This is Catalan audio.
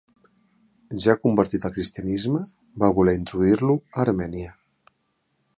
Ja convertit al cristianisme, va voler introduir-lo a Armènia.